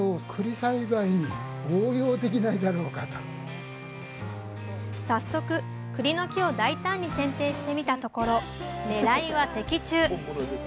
その時早速くりの木を大胆に剪定してみたところ狙いは的中。